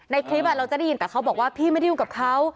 ในคลิปเราจะได้ยินแต่เขาบอกว่าพี่ไม่ได้ยุ่งกับเขา